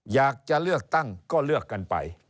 อยากจะเลือกตั้งก็เลือกกันไป